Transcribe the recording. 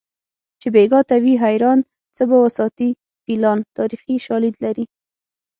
چې بیګا ته وي حیران څه به وساتي فیلان تاریخي شالید لري